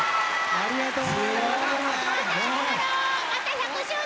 ありがとう！